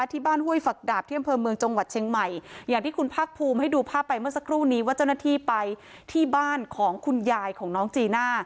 ห้วยฝักดาบที่อำเภอเมืองจังหวัดเชียงใหม่อย่างที่คุณภาคภูมิให้ดูภาพไปเมื่อสักครู่นี้ว่าเจ้าหน้าที่ไปที่บ้านของคุณยายของน้องจีน่า